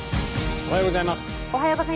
おはようございます。